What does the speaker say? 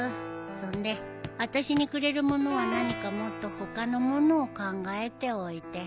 そんであたしにくれる物は何かもっと他の物を考えておいて。